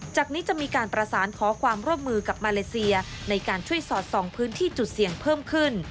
จากนี้จะมีการประสานขอความร่วมมือกับมาเลเซียในการช่วยสอดส่องพื้นที่จุดเสี่ยงเพิ่มขึ้น